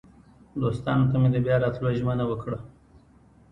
دوستانو ته مې د بیا راتلو ژمنه وکړه.